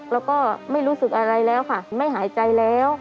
แล้วก็ไม่รู้สึกอะไรแล้วค่ะไม่หายใจแล้ว